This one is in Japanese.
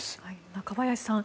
中林さん